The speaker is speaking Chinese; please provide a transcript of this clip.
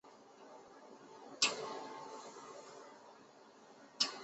南朝时就有插茱萸辟邪的记载。